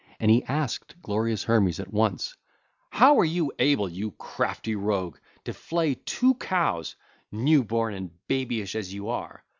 And he asked glorious Hermes at once: (ll. 405 408) 'How were you able, you crafty rogue, to flay two cows, new born and babyish as you are?